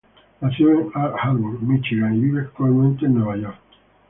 Nació en Ann Arbor, Michigan y vive actualmente en Nueva York.